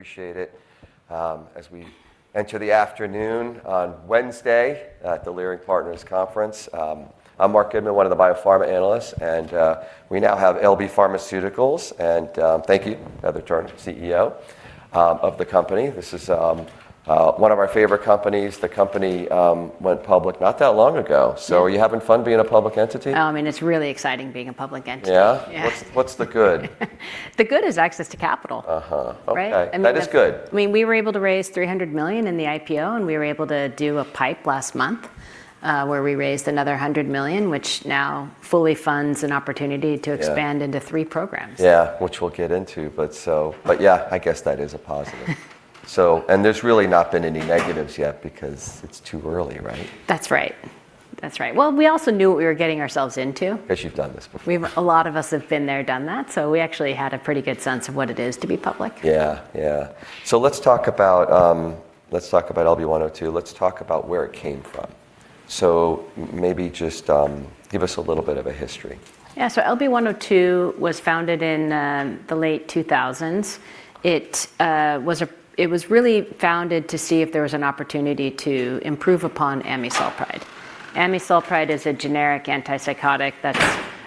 Appreciate it. As we enter the afternoon on Wednesday at the Leerink Partners Conference. I'm Marc Goodman, one of the biopharma analysts, and we now have LB Pharmaceuticals, and thank you, Heather Turner, CEO, of the company. This is one of our favorite companies. The company went public not that long ago. Yeah. Are you having fun being a public entity? Oh, I mean, it's really exciting being a public entity. Yeah? Yeah. What's the good? The goal is access to capital. Uh-huh. Right? I mean. Okay. That is good. I mean, we were able to raise $300 million in the IPO, and we were able to do a PIPE last month, where we raised another $100 million, which now fully funds an opportunity to expand. Yeah into three programs. Yeah. Which we'll get into, but so, but yeah, I guess that is a positive. There's really not been any negatives yet because it's too early, right? That's right. Well, we also knew what we were getting ourselves into. 'Cause you've done this before. A lot of us have been there, done that, so we actually had a pretty good sense of what it is to be public. Yeah. Yeah. Let's talk about LB-102. Let's talk about where it came from. Maybe just give us a little bit of a history. Yeah. LB-102 was founded in the late 2000s. It was really founded to see if there was an opportunity to improve upon amisulpride. Amisulpride is a generic antipsychotic that's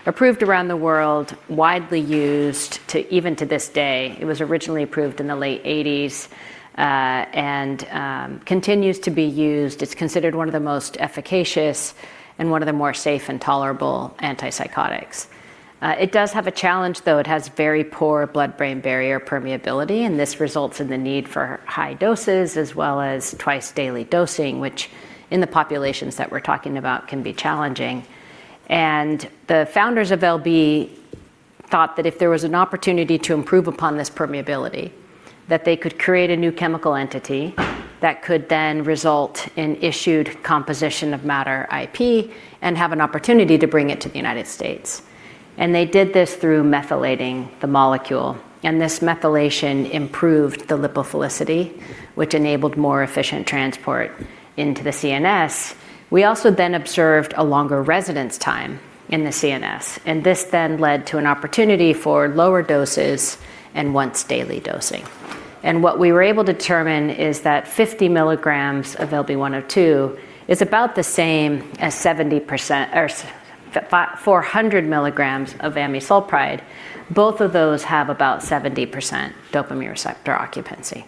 approved around the world, widely used even to this day. It was originally approved in the late 1980s and continues to be used. It's considered one of the most efficacious and one of the more safe and tolerable antipsychotics. It does have a challenge though. It has very poor blood-brain barrier permeability, and this results in the need for high doses as well as twice daily dosing, which in the populations that we're talking about can be challenging. The founders of LB thought that if there was an opportunity to improve upon this permeability, that they could create a new chemical entity that could then result in issued composition of matter IP and have an opportunity to bring it to the United States. They did this through methylating the molecule. This methylation improved the lipophilicity, which enabled more efficient transport into the CNS. We also then observed a longer residence time in the CNS, and this then led to an opportunity for lower doses and once daily dosing. What we were able to determine is that 50 milligrams of LB-102 is about the same as 70% or 400 milligrams of amisulpride. Both of those have about 70% dopamine receptor occupancy.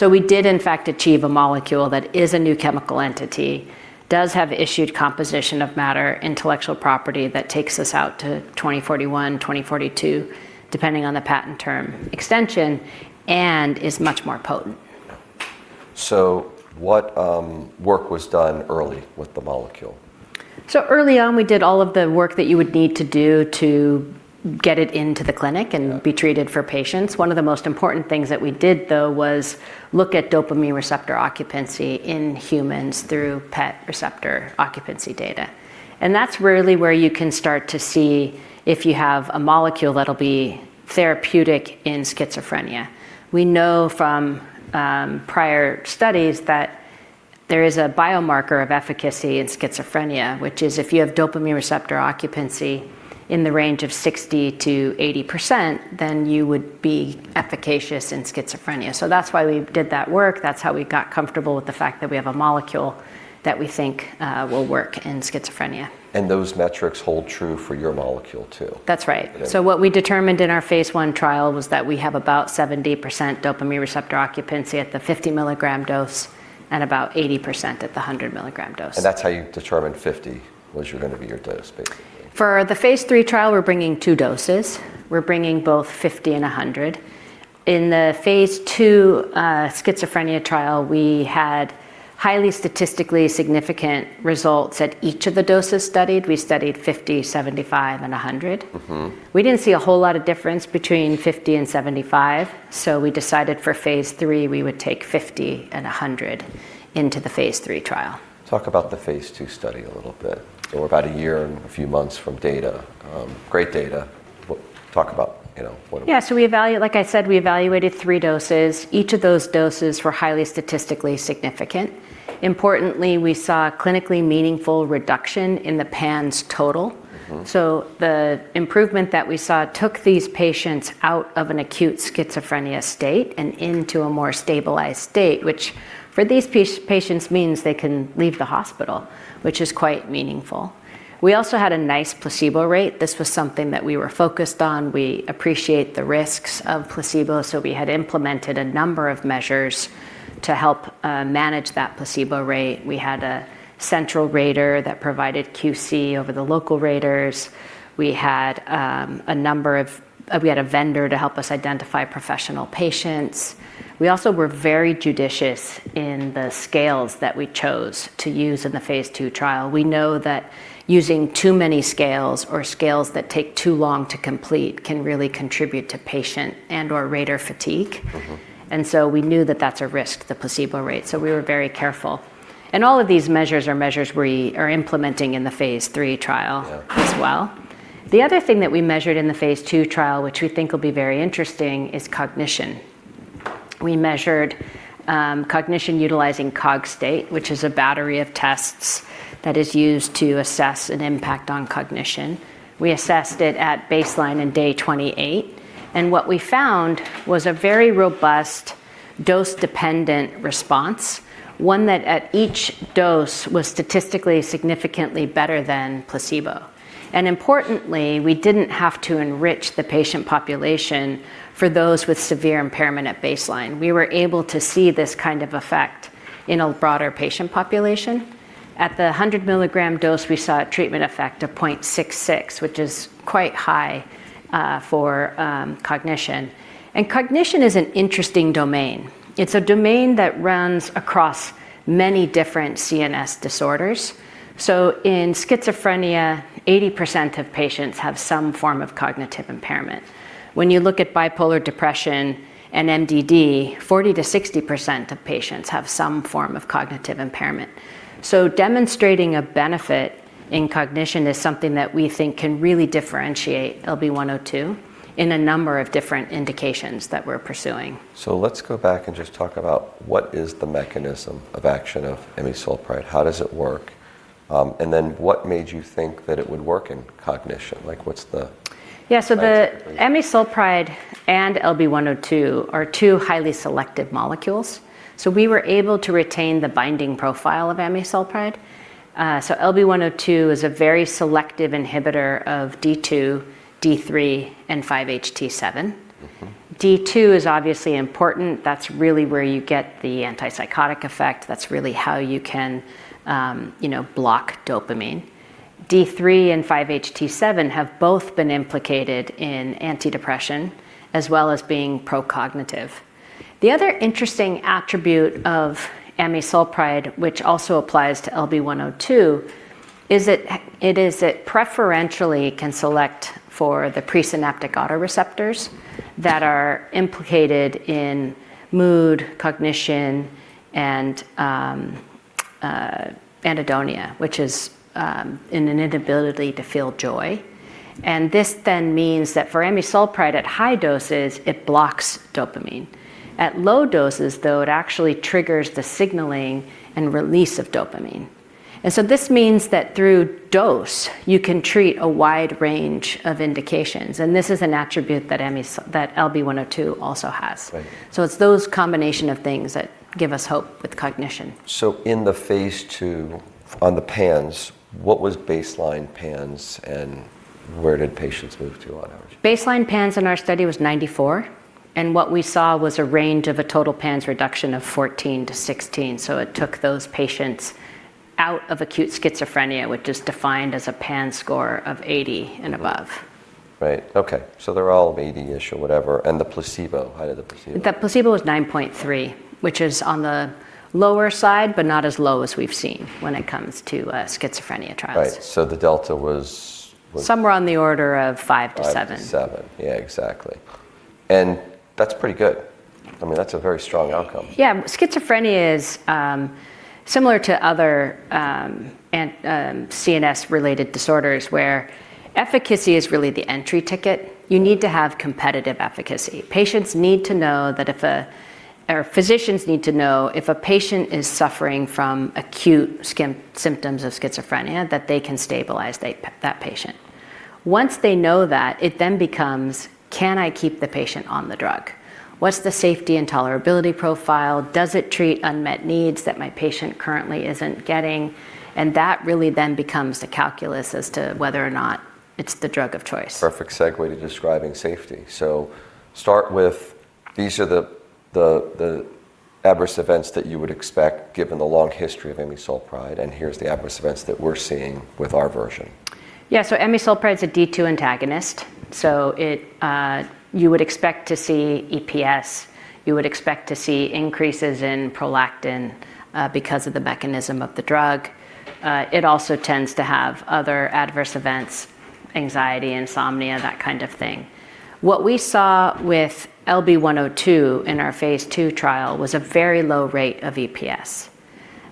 We did in fact achieve a molecule that is a new chemical entity, does have issued composition of matter intellectual property that takes us out to 2041, 2042, depending on the patent term extension, and is much more potent. Yeah. What work was done early with the molecule? Early on, we did all of the work that you would need to do to get it into the clinic and. Yeah be treated for patients. One of the most important things that we did though was look at dopamine receptor occupancy in humans through PET receptor occupancy data, and that's really where you can start to see if you have a molecule that'll be therapeutic in schizophrenia. We know from prior studies that there is a biomarker of efficacy in schizophrenia, which is if you have dopamine receptor occupancy in the range of 60%-80%, then you would be efficacious in schizophrenia. That's why we did that work. That's how we got comfortable with the fact that we have a molecule that we think will work in schizophrenia. Those metrics hold true for your molecule too? That's right. Okay. What we determined in our Phase one trial was that we have about 70% dopamine receptor occupancy at the 50-milligram dose and about 80% at the 100-milligram dose. That's how you determined 50 was gonna be your dose basically. For the Phase three trial, we're bringing two doses. We're bringing both 50 and 100. In the Phase two schizophrenia trial, we had highly statistically significant results at each of the doses studied. We studied 50, 75, and 100. Mm-hmm. We didn't see a whole lot of difference between 50 and 75, so we decided for Phase three we would take 50 and 100 into the Phase three trial. Talk about the Phase two study a little bit. We're about a year and a few months from data, great data. Talk about, you know, what- Yeah. Like I said, we evaluated three doses. Each of those doses were highly statistically significant. Importantly, we saw a clinically meaningful reduction in the PANSS total. Mm-hmm. The improvement that we saw took these patients out of an acute schizophrenia state and into a more stabilized state, which for these patients means they can leave the hospital, which is quite meaningful. We also had a nice placebo rate. This was something that we were focused on. We appreciate the risks of placebo, so we had implemented a number of measures to help manage that placebo rate. We had a central rater that provided QC over the local raters. We had a vendor to help us identify professional patients. We also were very judicious in the scales that we chose to use in the Phase two trial. We know that using too many scales or scales that take too long to complete can really contribute to patient and/or rater fatigue. Mm-hmm. We knew that that's a risk, the placebo rate, so we were very careful. All of these measures are measures we are implementing in the Phase three trial. Yeah as well. The other thing that we measured in the Phase two trial, which we think will be very interesting, is cognition. We measured cognition utilizing Cogstate, which is a battery of tests that is used to assess an impact on cognition. We assessed it at baseline and day 28, and what we found was a very robust dose-dependent response, one that at each dose was statistically significantly better than placebo. Importantly, we didn't have to enrich the patient population for those with severe impairment at baseline. We were able to see this kind of effect in a broader patient population. At the 100 mg dose, we saw a treatment effect of 0.66, which is quite high for cognition. Cognition is an interesting domain. It's a domain that runs across many different CNS disorders. In schizophrenia, 80% of patients have some form of cognitive impairment. When you look at bipolar depression and MDD, 40%-60% of patients have some form of cognitive impairment. Demonstrating a benefit in cognition is something that we think can really differentiate LB-102 in a number of different indications that we're pursuing. Let's go back and just talk about what is the mechanism of action of amisulpride, how does it work, and then what made you think that it would work in cognition? Like, what's the- Yeah, the scientific belief? Amisulpride and LB-102 are two highly selective molecules, so we were able to retain the binding profile of Amisulpride. LB-102 is a very selective inhibitor of D2, D3, and 5-HT7. Mm-hmm. D2 is obviously important. That's really where you get the antipsychotic effect. That's really how you can, you know, block dopamine. D3 and 5-HT7 have both been implicated in antidepressant as well as being pro-cognitive. The other interesting attribute of Amisulpride, which also applies to LB-102, is that it preferentially can select for the presynaptic Autoreceptors that are implicated in mood, cognition, and anhedonia, which is an inability to feel joy. This then means that for Amisulpride at high doses, it blocks dopamine. At low doses, though, it actually triggers the signaling and release of dopamine. This means that through dose, you can treat a wide range of indications, and this is an attribute that LB-102 also has. Right. It's those combination of things that give us hope with cognition. In the Phase two on the PANSS, what was baseline PANSS, and where did patients move to on average? Baseline PANSS in our study was 94, and what we saw was a range of a total PANSS reduction of 14-16, so it took those patients out of acute schizophrenia, which is defined as a PANSS score of 80 and above. Right. Okay. They're all 80-ish or whatever. The placebo, how did the placebo do? The placebo was 9.3, which is on the lower side, but not as low as we've seen when it comes to, schizophrenia trials. Right. The delta was. Somewhere on the order of five-seven. five-seven. Yeah, exactly. That's pretty good. I mean, that's a very strong outcome. Yeah. Schizophrenia is similar to other CNS related disorders where efficacy is really the entry ticket. You need to have competitive efficacy. Patients or physicians need to know if a patient is suffering from acute symptoms of schizophrenia, that they can stabilize that patient. Once they know that, it then becomes, "Can I keep the patient on the drug? What's the safety and tolerability profile? Does it treat unmet needs that my patient currently isn't getting?" That really then becomes the calculus as to whether or not it's the drug of choice. Perfect segue to describing safety. Start with, these are the adverse events that you would expect given the long history of amisulpride, and here's the adverse events that we're seeing with our version. Amisulpride's a D2 antagonist, so it, you would expect to see EPS. You would expect to see increases in prolactin, because of the mechanism of the drug. It also tends to have other adverse events, anxiety, insomnia, that kind of thing. What we saw with LB-102 in our Phase two trial was a very low rate of EPS.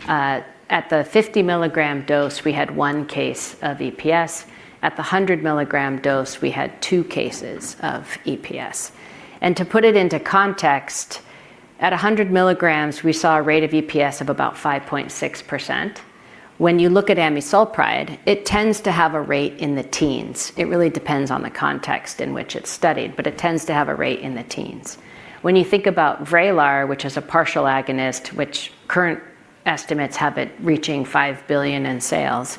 At the 50 milligram dose, we had one case of EPS. At the 100 milligram dose, we had two cases of EPS. To put it into context, at 100 milligrams, we saw a rate of EPS of about 5.6%. When you look at Amisulpride, it tends to have a rate in the teens. It really depends on the context in which it's studied, but it tends to have a rate in the teens. When you think about Vraylar, which is a partial agonist, which current estimates have it reaching $5 billion in sales,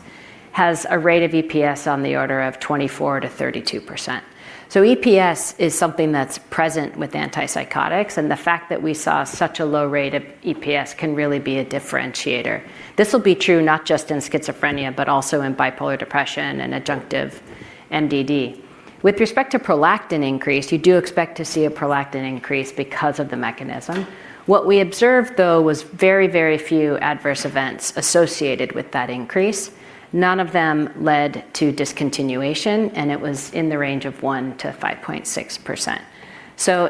has a rate of EPS on the order of 24%-32%. EPS is something that's present with antipsychotics, and the fact that we saw such a low rate of EPS can really be a differentiator. This will be true not just in schizophrenia, but also in bipolar depression and adjunctive MDD. With respect to prolactin increase, you do expect to see a prolactin increase because of the mechanism. What we observed, though, was very, very few adverse events associated with that increase. None of them led to discontinuation, and it was in the range of 1%-5.6%.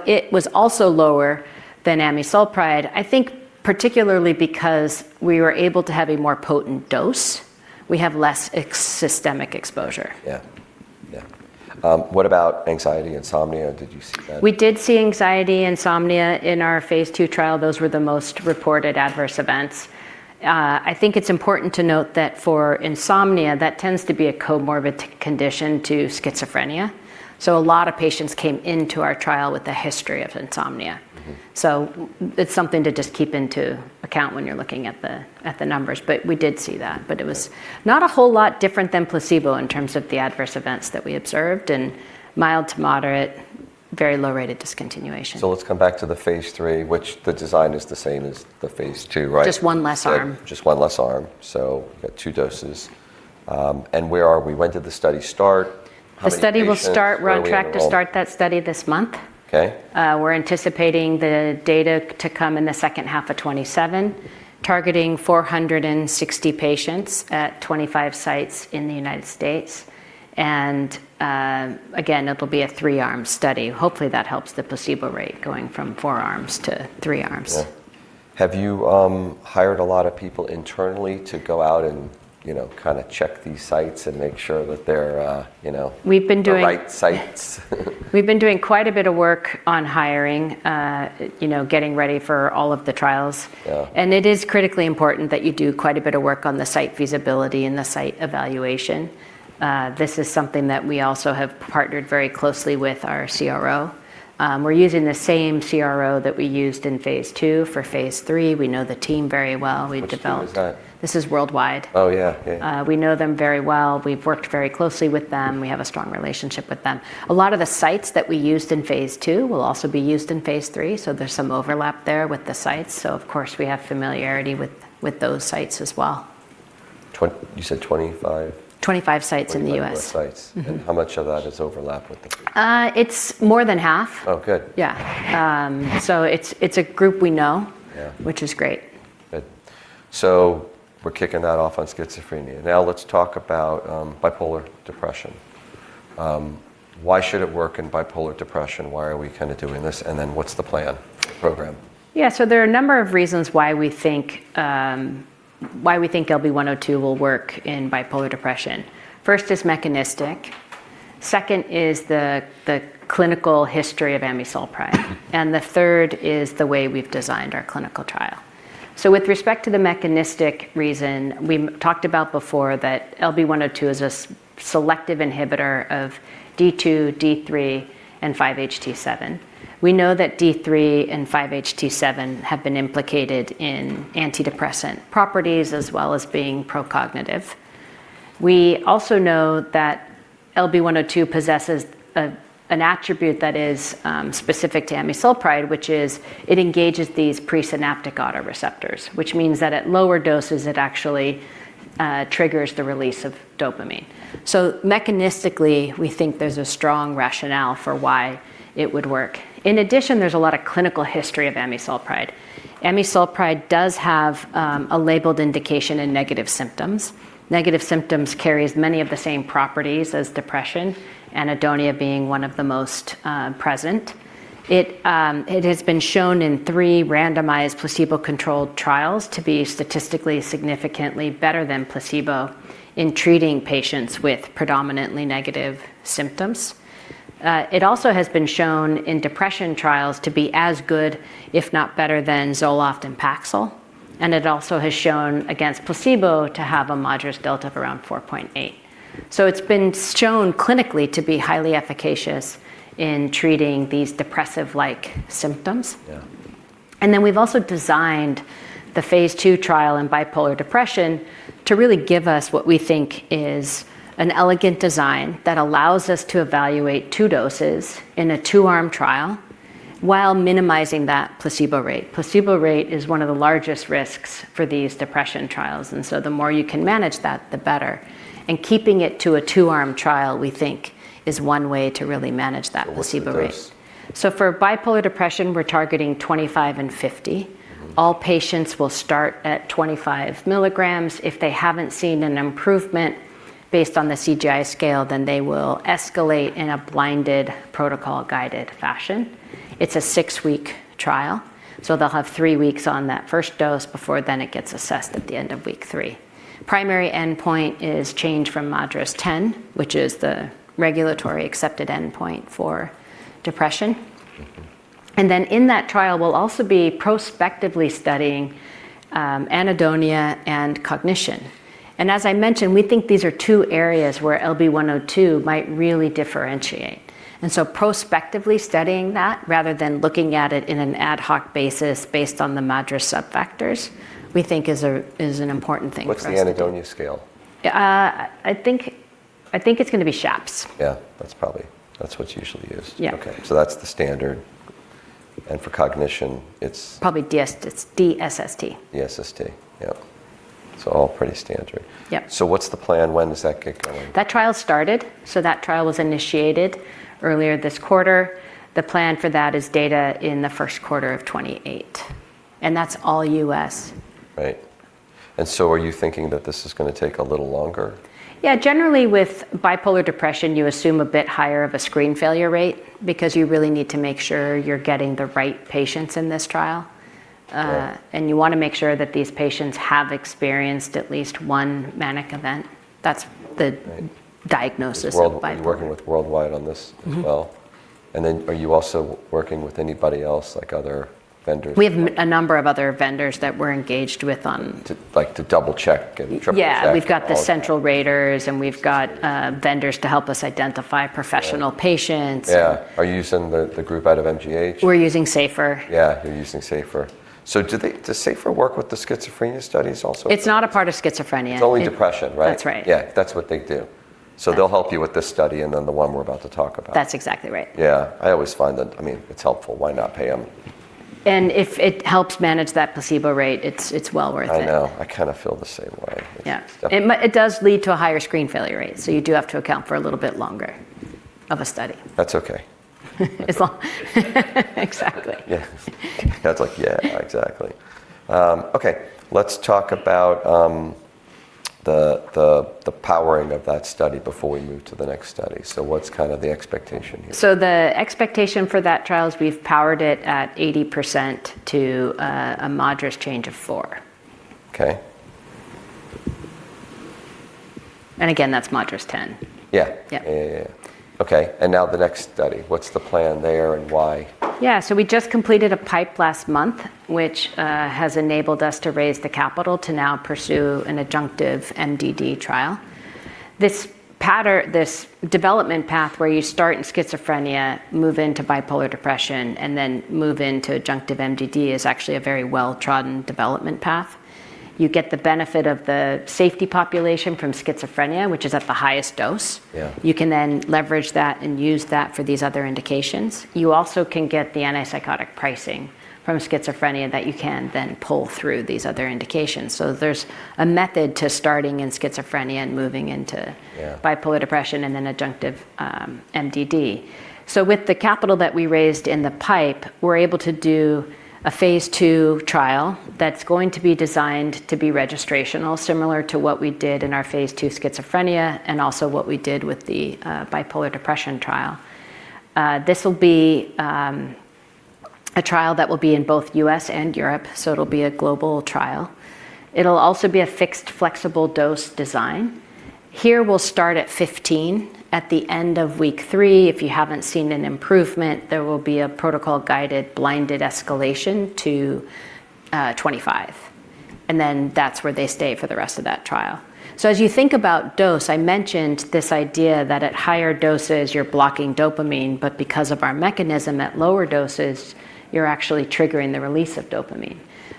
It was also lower than amisulpride, I think particularly because we were able to have a more potent dose. We have less systemic exposure. Yeah, what about anxiety, insomnia? Did you see that? We did see anxiety, insomnia in our Phase two trial. Those were the most reported adverse events. I think it's important to note that for insomnia, that tends to be a comorbid condition to schizophrenia, so a lot of patients came into our trial with a history of insomnia. Mm-hmm. It's something to just keep into account when you're looking at the numbers. We did see that. Yeah. It was not a whole lot different than placebo in terms of the adverse events that we observed, and mild to moderate, very low rate of discontinuation. Let's come back to the Phase three, which the design is the same as the Phase two, right? Just one less arm. Just one less arm, so got two doses. Where are we? When did the study start? How many patients? The study will start. Where are we enrolled? We're on track to start that study this month. Okay. We're anticipating the data to come in the second half of 2027. Mm-hmm. Targeting 460 patients at 25 sites in the United States. Again, it'll be a three-arm study. Hopefully, that helps the placebo rate, going from four arms to three arms. Yeah. Have you hired a lot of people internally to go out and, you know, kinda check these sites and make sure that they're, you know- We've been doing- the right sites? We've been doing quite a bit of work on hiring. You know, getting ready for all of the trials. Yeah. It is critically important that you do quite a bit of work on the site feasibility and the site evaluation. This is something that we also have partnered very closely with our CRO. We're using the same CRO that we used in Phase two for Phase three We know the team very well. We've developed. Which team is that? This is worldwide. Oh, yeah. Yeah. We know them very well. We've worked very closely with them. We have a strong relationship with them. A lot of the sites that we used in Phase two will also be used in Phase three, so there's some overlap there with the sites. Of course, we have familiarity with those sites as well. You said 25? 25 sites in the U.S. 25 U.S. sites. Mm-hmm. How much of that is overlap with the? It's more than half. Oh, good. Yeah. It's a group we know. Yeah. Which is great. Good. We're kicking that off on schizophrenia. Now let's talk about bipolar depression. Why should it work in bipolar depression? Why are we kinda doing this, and then what's the plan program? Yeah. There are a number of reasons why we think LB-102 will work in bipolar depression. First is mechanistic, second is the clinical history of Amisulpride, and the third is the way we've designed our clinical trial. With respect to the mechanistic reason, we talked about before that LB-102 is a selective inhibitor of D2, D3, and 5-HT7. We know that D3 and 5-HT7 have been implicated in antidepressant properties as well as being pro-cognitive. We also know that LB-102 possesses an attribute that is specific to amisulpride, which is it engages these presynaptic Autoreceptors, which means that at lower doses, it actually triggers the release of dopamine. Mechanistically, we think there's a strong rationale for why it would work. In addition, there's a lot of clinical history of Amisulpride. Amisulpride does have a labeled indication in negative symptoms. Negative symptoms carries many of the same properties as depression, anhedonia being one of the most present. It has been shown in three randomized placebo-controlled trials to be statistically significantly better than placebo in treating patients with predominantly negative symptoms. It also has been shown in depression trials to be as good, if not better than Zoloft and Paxil, and it also has shown against placebo to have a MADRS delta of around 4.8. It's been shown clinically to be highly efficacious in treating these depressive-like symptoms. Yeah. We've also designed the Phase two trial in bipolar depression to really give us what we think is an elegant design that allows us to evaluate two doses in a two-arm trial while minimizing that placebo rate. Placebo rate is one of the largest risks for these depression trials, and so the more you can manage that, the better. Keeping it to a two-arm trial, we think, is one way to really manage that placebo rate. What's the dose? For bipolar depression, we're targeting 25 and 50. Mm-hmm. All patients will start at 25 milligrams. If they haven't seen an improvement based on the CGI scale, they will escalate in a blinded protocol guided fashion. It's a six-week trial, they'll have three weeks on that first dose before it gets assessed at the end of week three. Primary endpoint is change from MADRS 10, which is the regulatory accepted endpoint for depression. Mm-hmm. In that trial, we'll also be prospectively studying anhedonia and cognition. As I mentioned, we think these are two areas where LB-102 might really differentiate. Prospectively studying that rather than looking at it in an ad hoc basis based on the MADRS subfactors, we think is an important thing for us to do. What's the anhedonia scale? I think it's gonna be SHAPS. Yeah. That's what's usually used. Yeah. Okay. That's the standard. For cognition, it's. It's DSST. DSST. Yep. It's all pretty standard. Yep. What's the plan? When does that kick in? That trial started, so that trial was initiated earlier this quarter. The plan for that is data in the first quarter of 2028, and that's all U.S. Right. Are you thinking that this is gonna take a little longer? Yeah. Generally with bipolar depression, you assume a bit higher of a screen failure rate because you really need to make sure you're getting the right patients in this trial. You wanna make sure that these patients have experienced at least one manic event. Right diagnosis of bipolar. You're working with Worldwide on this as well? Mm-hmm. Are you also working with anybody else, like other vendors or- We have a number of other vendors that we're engaged with on. Like, to double check and triple check all the Yeah. We've got the central raters and we've got vendors to help us identify professional patients and- Yeah. Are you using the group out of MGH? We're using SAFER. Yeah, you're using SAFER. Does SAFER work with the schizophrenia studies also? It's not a part of schizophrenia. It's only depression, right? That's right. Yeah. That's what they do. That's right. They'll help you with this study and then the one we're about to talk about. That's exactly right. Yeah. I always find that, I mean, it's helpful. Why not pay them? If it helps manage that placebo rate, it's well worth it. I know. I kinda feel the same way. It's definitely. Yeah. It does lead to a higher screen failure rate, so you do have to account for a little bit longer of a study. That's okay. As long... That's okay. Exactly. Yeah. That's like, yeah, exactly. Okay. Let's talk about the powering of that study before we move to the next study. What's kind of the expectation here? The expectation for that trial is we've powered it at 80% to a MADRS change of four. Okay. Again, that's MADRS 10. Yeah. Yeah. Yeah. Okay. Now the next study. What's the plan there and why? Yeah. We just completed a PIPE last month, which has enabled us to raise the capital to now pursue an adjunctive MDD trial. This development path where you start in schizophrenia, move into bipolar depression, and then move into adjunctive MDD is actually a very well-trodden development path. You get the benefit of the safety population from schizophrenia, which is at the highest dose. Yeah. You can then leverage that and use that for these other indications. You also can get the antipsychotic pricing from schizophrenia that you can then pull through these other indications. There's a method to starting in schizophrenia and moving into. Yeah bipolar depression and then adjunctive MDD. With the capital that we raised in the PIPE, we're able to do a Phase two trial that's going to be designed to be registrational, similar to what we did in our Phase two schizophrenia and also what we did with the bipolar depression trial. This will be a trial that will be in both U.S. and Europe, so it'll be a global trial. It'll also be a fixed flexible dose design. Here, we'll start at 15. At the end of week three, if you haven't seen an improvement, there will be a protocol guided blinded escalation to 25, and then that's where they stay for the rest of that trial. As you think about dose, I mentioned this idea that at higher doses you're blocking dopamine, but because of our mechanism at lower doses, you're actually triggering the release of dopamine.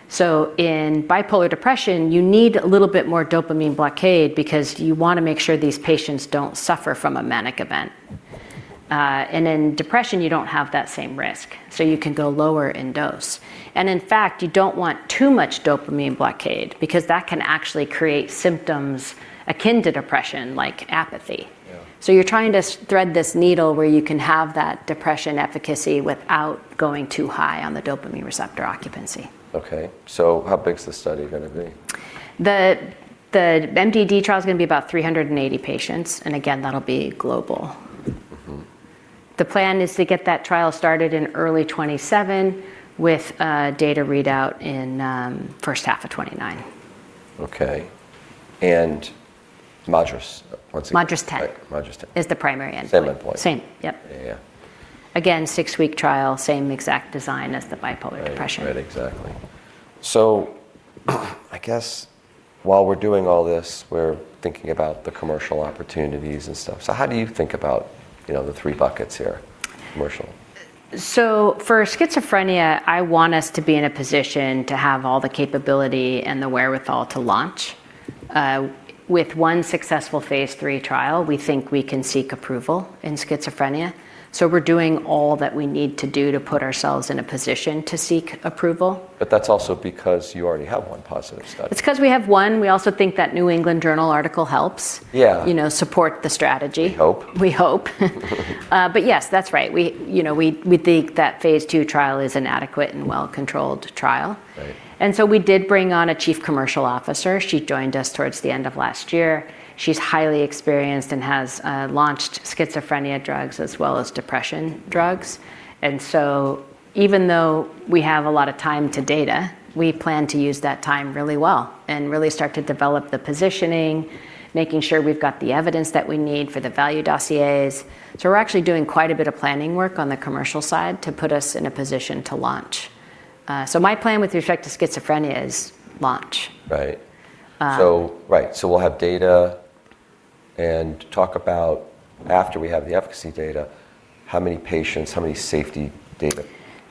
In bipolar depression, you need a little bit more dopamine blockade because you wanna make sure these patients don't suffer from a manic event. In depression you don't have that same risk, so you can go lower in dose. In fact, you don't want too much dopamine blockade because that can actually create symptoms akin to depression, like apathy. Yeah. You're trying to thread this needle where you can have that depression efficacy without going too high on the dopamine receptor occupancy. Okay. How big is the study gonna be? The MDD trial is gonna be about 380 patients, and again, that'll be global. Mm-hmm. The plan is to get that trial started in early 2027 with a data readout in first half of 2029. Okay. MADRS, what's the- MADRS 10 Right, MADRS 10. is the primary endpoint. Same endpoint. Same, yep. Yeah, yeah. Again, six-week trial, same exact design as the bipolar depression. Right, right, exactly. I guess while we're doing all this, we're thinking about the commercial opportunities and stuff. How do you think about, you know, the three buckets here commercially? For schizophrenia, I want us to be in a position to have all the capability and the wherewithal to launch. With one successful Phase three trial, we think we can seek approval in schizophrenia, so we're doing all that we need to do to put ourselves in a position to seek approval. That's also because you already have one positive study. It's 'cause we have one. We also think that New England Journal article helps. Yeah you know, support the strategy. We hope. We hope. Yes, that's right. We, you know, think that Phase two trial is an adequate and well-controlled trial. Right. We did bring on a chief commercial officer. She joined us towards the end of last year. She's highly experienced and has launched schizophrenia drugs as well as depression drugs. Even though we have a lot of time to data, we plan to use that time really well and really start to develop the positioning, making sure we've got the evidence that we need for the value dossiers. We're actually doing quite a bit of planning work on the commercial side to put us in a position to launch. My plan with respect to schizophrenia is launch. Right. Um- Right. We'll have data and talk about after we have the efficacy data, how many patients, how many safety data.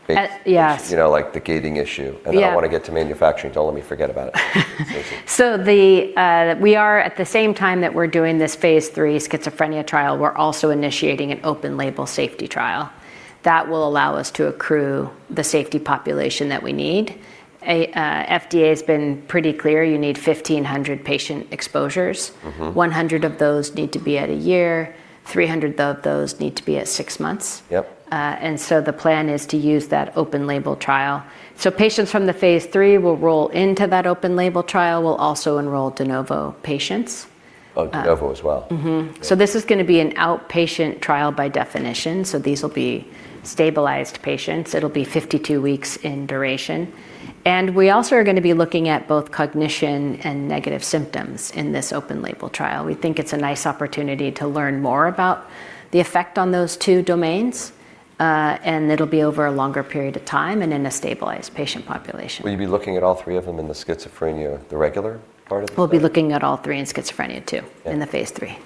Yeah patients, you know, like the gating issue. Yeah. I wanna get to manufacturing. Don't let me forget about it. At the same time that we're doing this Phase three schizophrenia trial, we're also initiating an open-label safety trial. That will allow us to accrue the safety population that we need. FDA's been pretty clear you need 1,500 patient exposures. Mm-hmm. 100 of those need to be at a year, 300 of those need to be at six months. Yep. The plan is to use that open label trial. Patients from the Phase three will roll into that open label trial. We'll also enroll de novo patients. Oh, overall as well. Mm-hmm. Okay. This is gonna be an outpatient trial by definition, so these will be stabilized patients. It'll be 52 weeks in duration. We also are gonna be looking at both cognition and negative symptoms in this open label trial. We think it's a nice opportunity to learn more about the effect on those two domains. It'll be over a longer period of time and in a stabilized patient population. Will you be looking at all three of them in the schizophrenia, the regular part of the? We'll be looking at all three in schizophrenia too. Yeah. In the Phase three.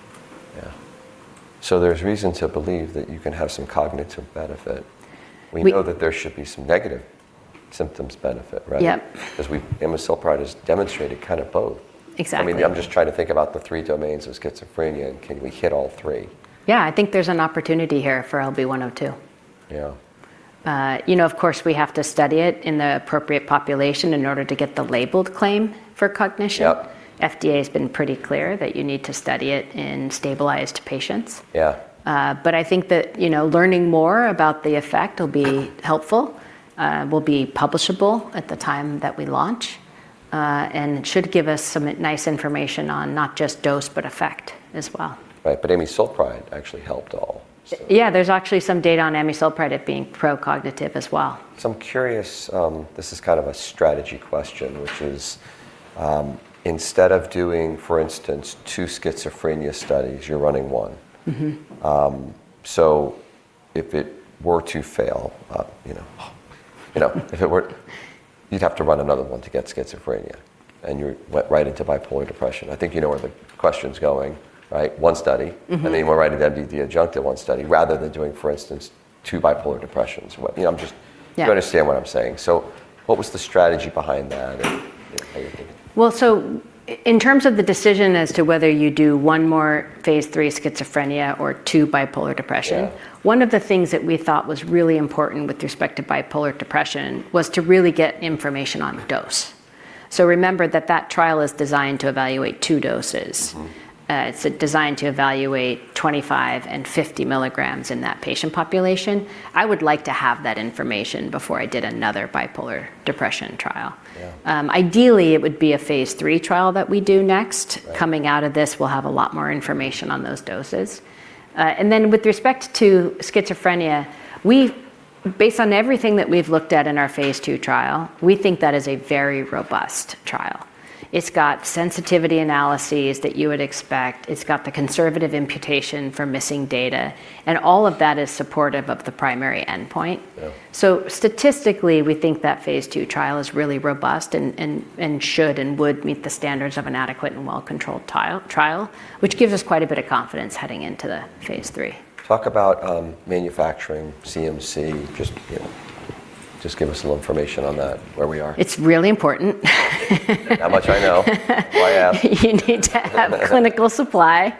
Yeah. There's reason to believe that you can have some cognitive benefit. We- We know that there should be some negative symptoms benefit, right? Yep. Amisulpride has demonstrated kind of both. Exactly. I mean, I'm just trying to think about the three domains of schizophrenia and can we hit all three? Yeah, I think there's an opportunity here for LB-102. Yeah. You know, of course, we have to study it in the appropriate population in order to get the labeled claim for cognition. Yep. FDA's been pretty clear that you need to study it in stabilized patients. Yeah. I think that, you know, learning more about the effect will be helpful, will be publishable at the time that we launch. It should give us some nice information on not just dose, but effect as well. Right. Amisulpride actually helped all, so. Yeah, there's actually some data on amisulpride at being pro-cognitive as well. I'm curious. This is kind of a strategy question, which is, instead of doing, for instance, two schizophrenia studies, you're running one. Mm-hmm. If it were to fail, you know. You'd have to run another one to get schizophrenia and you went right into bipolar depression. I think you know where the question's going, right? One study. Mm-hmm. We’re right at MDD adjunctive one study. Rather than doing, for instance, two bipolar depressions. You know, I’m just- Yeah If you understand what I'm saying. What was the strategy behind that and how you're thinking? In terms of the decision as to whether you do one more Phase three schizophrenia or two bipolar depression. Yeah One of the things that we thought was really important with respect to bipolar depression was to really get information on dose. Remember that trial is designed to evaluate two doses. Mm-hmm. It's designed to evaluate 25 and 50 milligrams in that patient population. I would like to have that information before I did another bipolar depression trial. Yeah. Ideally, it would be a Phase three trial that we do next. Right. Coming out of this, we'll have a lot more information on those doses. With respect to schizophrenia, based on everything that we've looked at in our Phase two trial, we think that is a very robust trial. It's got sensitivity analyses that you would expect. It's got the conservative imputation for missing data, and all of that is supportive of the primary endpoint. Yeah. Statistically, we think that Phase two trial is really robust and should and would meet the standards of an adequate and well-controlled trial, which gives us quite a bit of confidence heading into the Phase three. Talk about manufacturing CMC. Just, you know, just give us a little information on that, where we are. It's really important. That much I know. That's why I asked. You need to have clinical supply.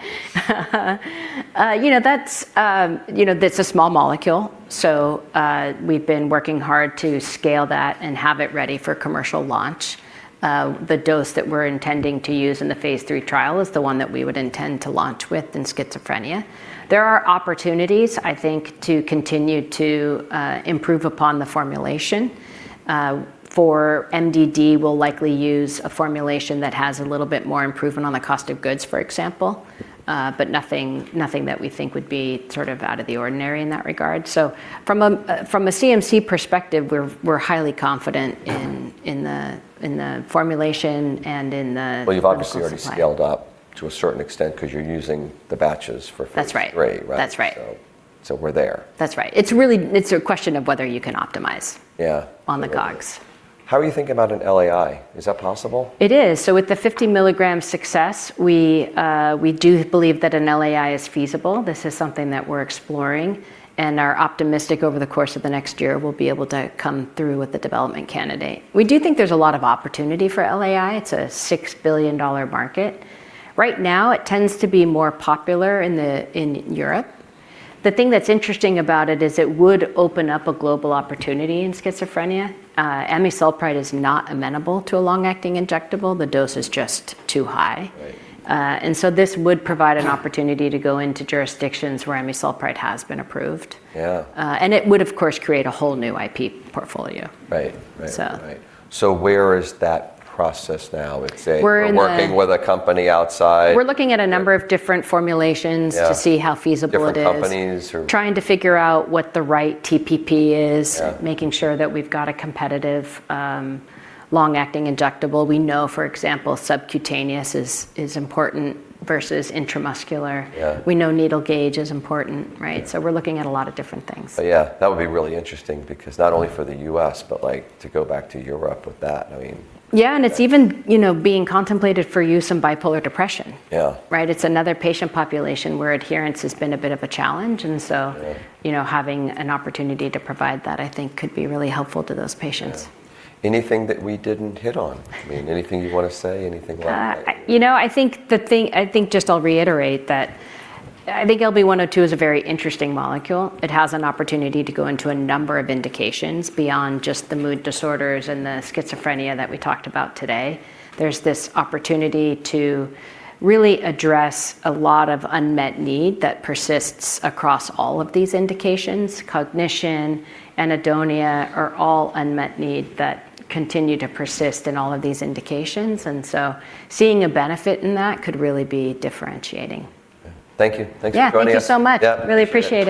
You know, that's a small molecule, so we've been working hard to scale that and have it ready for commercial launch. The dose that we're intending to use in the Phase three trial is the one that we would intend to launch with in schizophrenia. There are opportunities, I think, to continue to improve upon the formulation. For MDD, we'll likely use a formulation that has a little bit more improvement on the cost of goods, for example. Nothing that we think would be sort of out of the ordinary in that regard. From a CMC perspective, we're highly confident in the formulation and in the clinical supply. Well, you've obviously already scaled up to a certain extent 'cause you're using the batches for Phase three. That's right. right? That's right. We're there. That's right. It's really a question of whether you can optimize- Yeah on the COGS. How are you thinking about an LAI? Is that possible? It is. With the 50-milligram success, we do believe that an LAI is feasible. This is something that we're exploring and are optimistic over the course of the next year, we'll be able to come through with the development candidate. We do think there's a lot of opportunity for LAI. It's a $6 billion market. Right now, it tends to be more popular in Europe. The thing that's interesting about it is it would open up a global opportunity in schizophrenia. Amisulpride is not amenable to a long-acting injectable. The dose is just too high. Right. This would provide an opportunity to go into jurisdictions where amisulpride has been approved. Yeah. It would, of course, create a whole new IP portfolio. Right. Right. So. Right. Where is that process now, let's say? We're in the- We're working with a company outside. We're looking at a number of different formulations. Yeah to see how feasible it is. Different companies who- Trying to figure out what the right TPP is. Yeah. Making sure that we've got a competitive, long-acting injectable. We know, for example, subcutaneous is important versus intramuscular. Yeah. We know needle gauge is important, right? Yeah. We're looking at a lot of different things. Yeah, that would be really interesting because not only for the U.S., but, like, to go back to Europe with that, I mean. Yeah, it's even, you know, being contemplated for use in bipolar depression. Yeah. Right? It's another patient population where adherence has been a bit of a challenge. Right You know, having an opportunity to provide that, I think, could be really helpful to those patients. Yeah. Anything that we didn't hit on? I mean, anything you wanna say? Anything like that that you- You know, I think just I'll reiterate that I think LB-102 is a very interesting molecule. It has an opportunity to go into a number of indications beyond just the mood disorders and the schizophrenia that we talked about today. There's this opportunity to really address a lot of unmet need that persists across all of these indications. Cognition, anhedonia are all unmet need that continue to persist in all of these indications. Seeing a benefit in that could really be differentiating. Thank you. Thanks for joining us. Yeah, thank you so much. Yeah. Appreciate it. Really appreciate it.